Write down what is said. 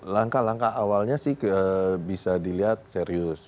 langkah langkah awalnya sih bisa dilihat serius